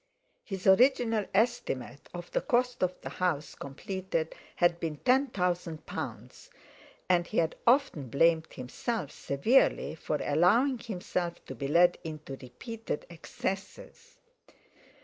His original estimate of the cost of the house completed had been ten thousand pounds, and he had often blamed himself severely for allowing himself to be led into repeated excesses.